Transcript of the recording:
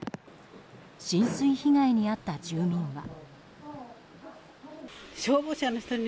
浸水被害に遭った住民は。